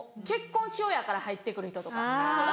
「結婚しようや」から入って来る人とか。